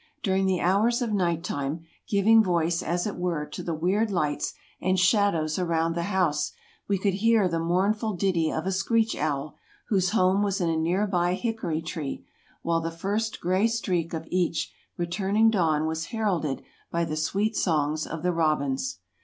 During the hours of night time, giving voice as it were to the weird lights and shadows around the house, we could hear the mournful ditty of a screech owl whose home was in a nearby hickory tree, while the first gray streak of each returning dawn was heralded by the sweet songs of the robins.